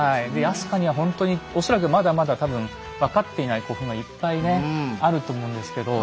飛鳥にはほんとに恐らくまだまだ多分分かっていない古墳がいっぱいねあると思うんですけど。